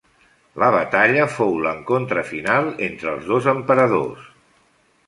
La batalla fou l'encontre final entre els dos emperadors.